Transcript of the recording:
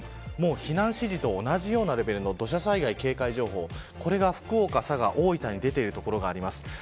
避難指示と同じようなレベルの土砂災害警戒情報福岡、佐賀、大分に出ている所があります。